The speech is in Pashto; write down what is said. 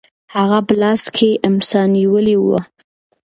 هغه په لاس کې امسا نیولې وه.